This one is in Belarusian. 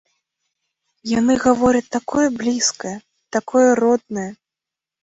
Яны гавораць такое блізкае, такое роднае.